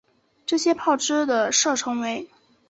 这些炮支的射程为。